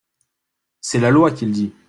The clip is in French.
C’est la loi qui le dit.